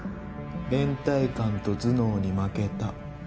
連帯感と頭脳に負けた。